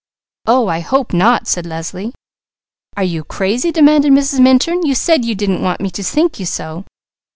"Oh I hope not!" said Leslie. "Are you crazy?" demanded Mrs. Minturn. "You said you didn't want me to think you so!"